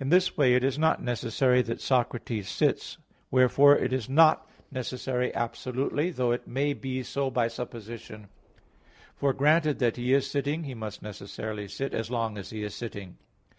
In this way it is not necessary that Socrates sits: wherefore it is not necessary absolutely, though it may be so by supposition; for, granted that he is sitting, he must necessarily sit, as long as he is sitting.